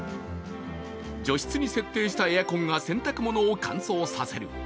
除湿に設定したエアコンが洗濯物を乾燥させる。